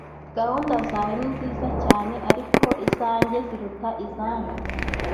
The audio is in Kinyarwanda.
Gahunda zawe ninziza cyane, ariko izanjye ziruta izanyu.